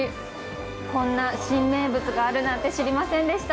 こんな新名物があるなんて知りませんでした